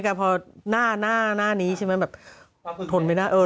เสียชีวิตไป๙๙๐๐๐เนี่ย